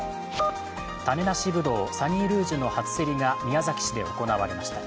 種なしぶどう、サニールージュの初競りが宮崎市で行われました。